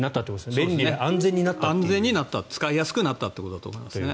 便利で安全になった使いやすくなったということだと思います。